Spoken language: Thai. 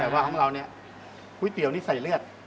แต่ว่าของเราเนี่ยก๋วยเตี๋ยวนี่ใส่เลือด